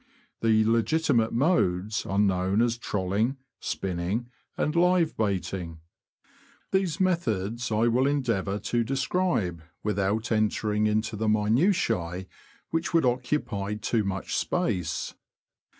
The legitimate modes are known as trolling, spinning, and live baiting. These methods U 2 292 THE LAND OF THE BROADS. I will endeavour to describe without entering into the minutiae, which would occupy too much space.